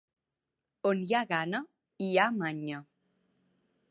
On hi ha gana, hi ha manya.